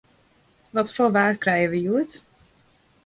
Wat foar waar krije we hjoed?